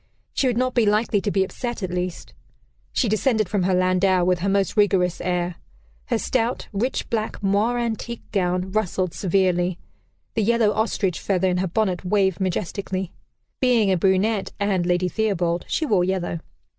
She would not be likely to be "upset," at least. She descended from her landau, with her most rigorous air. Her stout, rich black moire antique gown rustled severely; the yellow ostrich feather in her bonnet waved majestically. (Being a brunette, and Lady Theobald, she wore yellow.)